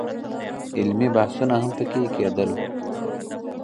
علمي بحثونه هم په کې کېدل.